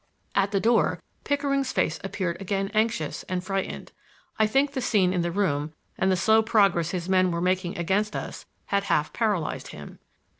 At the door Pickering's face appeared again anxious and frightened. I think the scene in the room and the slow progress his men were making against us had half paralyzed him.